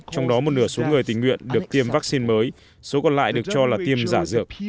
trong đó một nửa số người tình nguyện được tiêm vaccine mới số còn lại được cho là tiêm giả dược